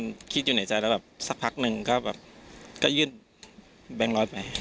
ผมก็คิดอยู่ในใจแล้วสักพักหนึ่งก็ยื่นบางร้อยไป